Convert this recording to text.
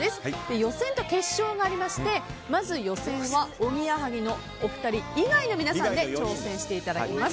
予選と決勝がありましてまず予選はおぎやはぎのお二人以外の皆さんで挑戦していただきます。